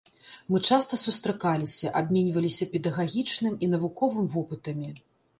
Мы часта сустракаліся, абменьваліся педагагічным і навуковым вопытамі.